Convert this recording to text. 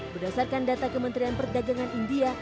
berdasarkan data kementerian perdagangan india